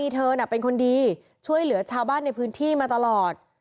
เธอน่ะเป็นคนดีช่วยเหลือชาวบ้านในพื้นที่มาตลอด